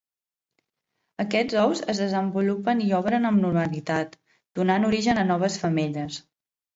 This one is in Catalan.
Aquests ous es desenvolupen i obren amb normalitat, donant origen a noves femelles.